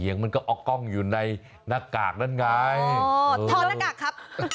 เสียงมันก็ออกกล้องอยู่ค่ะท้อนหน้ากากครับ